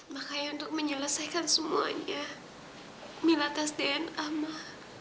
makanya untuk menyelesaikan semuanya mila tas dna mah